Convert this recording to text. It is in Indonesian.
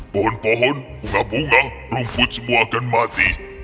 pohon pohon bunga bunga rumput semua akan mati